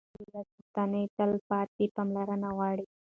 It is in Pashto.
د ولس غوښتنې تلپاتې پاملرنه غواړي